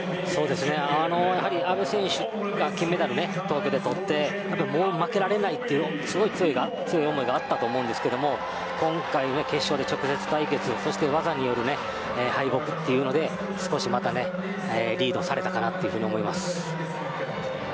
阿部選手が金メダルを取って負けられないという強い思いがあったと思いますが今回、決勝で直接対決そして技による敗北ということで少しリードされたかと思います。